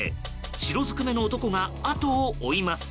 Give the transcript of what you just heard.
白ずくめの男が後を追います。